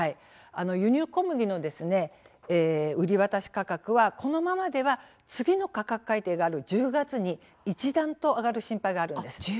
輸入小麦の売り渡し価格はこのままでは次の価格改定がある１０月に一段と上がる心配があるんです。